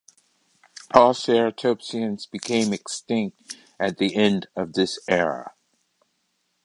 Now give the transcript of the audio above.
All ceratopsians became extinct at the end of this era.